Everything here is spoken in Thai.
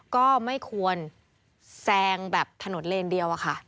ก็ไม่ควรแซงแบบถนนเลนเดียวอะค่ะ